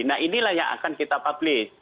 nah inilah yang akan kita publish